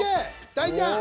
大ちゃん。